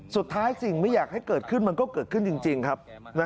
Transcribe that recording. สิ่งไม่อยากให้เกิดขึ้นมันก็เกิดขึ้นจริงครับ